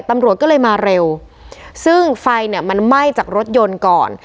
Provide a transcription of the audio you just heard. ตำรวจก็เลยมาเร็วซึ่งไฟเนี่ยมันไหม้จากรถยนต์ก่อน